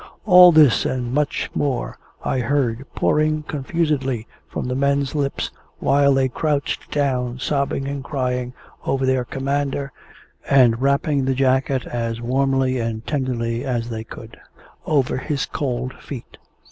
All this, and much more, I heard pouring confusedly from the men's lips while they crouched down, sobbing and crying over their commander, and wrapping the jacket as warmly and tenderly as they could over his cold feet.